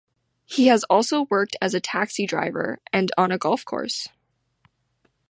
He has also worked as a taxi driver and on a golf course.